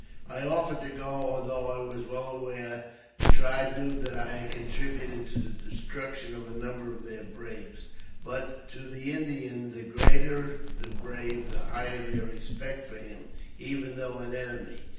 I offered to go, although I waa well aware the tribe knew that I had contributed to the destruction of a number of their braves ; but, to the Indian,, the greater the brave, the higher their respect for him, even, though an enemy.